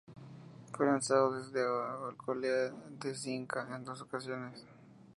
Fue lanzado desde Alcolea de Cinca en dos ocasiones.